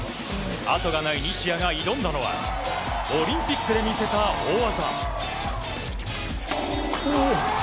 痕がない西矢が挑んだのはオリンピックで見せた大技。